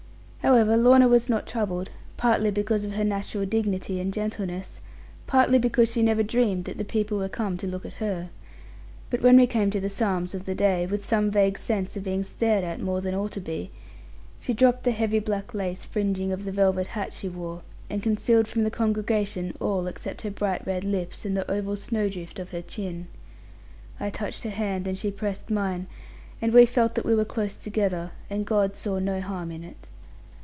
However, Lorna was not troubled; partly because of her natural dignity and gentleness; partly because she never dreamed that the people were come to look at her. But when we came to the Psalms of the day, with some vague sense of being stared at more than ought to be, she dropped the heavy black lace fringing of the velvet hat she wore, and concealed from the congregation all except her bright red lips, and the oval snowdrift of her chin. I touched her hand, and she pressed mine; and we felt that we were close together, and God saw no harm in it.